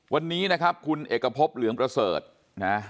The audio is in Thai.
วันนี้นะครับคุณเอกพบเหลืองประเสริฐนะ